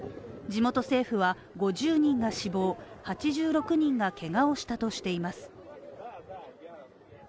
地元政府は５０人が死亡、８６人がけがをしたとしています。